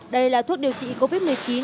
đây là thuốc điều trị covid một mươi chín